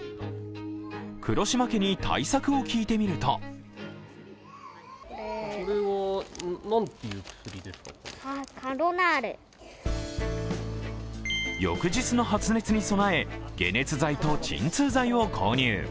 黒島家に対策を聞いてみると翌日の発熱に備え、解熱剤と鎮痛剤を購入。